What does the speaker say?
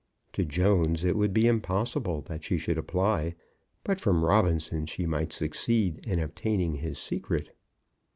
To Jones it would be impossible that she should apply; but from Robinson she might succeed in obtaining his secret.